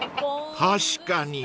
［確かに。